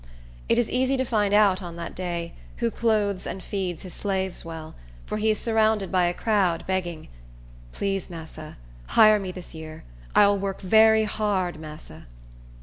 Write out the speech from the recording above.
It is easy to find out, on that day, who clothes and feeds his slaves well; for he is surrounded by a crowd, begging, "Please, massa, hire me this year. I will work very hard, massa."